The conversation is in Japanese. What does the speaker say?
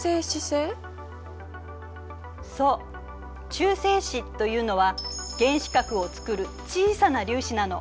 中性子というのは原子核をつくる小さな粒子なの。